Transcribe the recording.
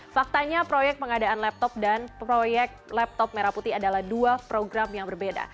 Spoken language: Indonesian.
faktanya proyek pengadaan laptop dan proyek laptop merah putih adalah dua program yang berbeda